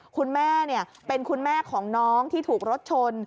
คุณแม่เป็นคุณแม่ของน้องที่ถูกรถชน